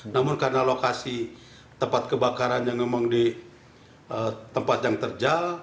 namun karena lokasi tempat kebakaran yang memang di tempat yang terjal